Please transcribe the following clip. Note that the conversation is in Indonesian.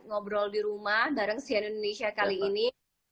ngobrol di rumah bareng sian indonesia kali ini